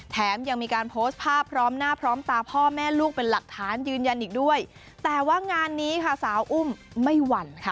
แถมยังมีการโพสต์ภาพพร้อมหน้าพร้อมตาพ่อแม่ลูกเป็นหลักฐานยืนยันอีกด้วยแต่ว่างานนี้ค่ะสาวอุ้มไม่หวั่นค่ะ